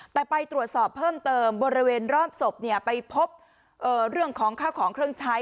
แต่ไปตรวจสอบเพิ่มเติมบริเวณรอบศพไปพบเรื่องของข้าวของเครื่องใช้